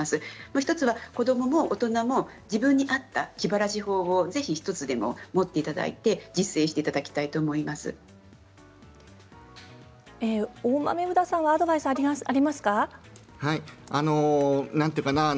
もう１つ、子どもも大人も自分に合った気晴らし法をぜひ１つでも持っていただいて大豆生田さんはアドバイスありますか。